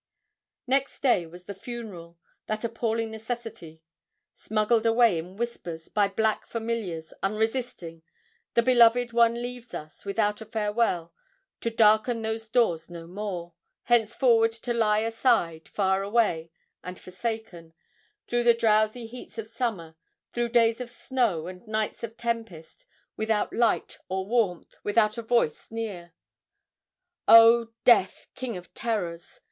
Next day was the funeral, that appalling necessity; smuggled away in whispers, by black familiars, unresisting, the beloved one leaves home, without a farewell, to darken those doors no more; henceforward to lie outside, far away, and forsaken, through the drowsy heats of summer, through days of snow and nights of tempest, without light or warmth, without a voice near. Oh, Death, king of terrors!